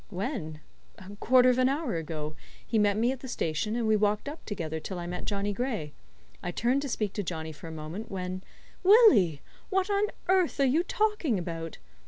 "When? A quarter of an hour ago. He met me at the station and we walked up together till I met Johnny Gray. I turned to speak to Johnny for a moment, when " "Willie, what on earth are you talking about?